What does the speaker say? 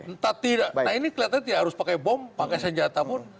nah ini kelihatannya harus pakai bom pakai senjata pun